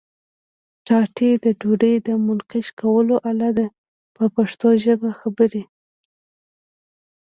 ټاټې د ډوډۍ د منقش کولو آله ده په پښتو ژبه خبرې.